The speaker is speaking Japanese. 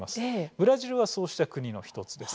ブラジルはそうした国の１つです。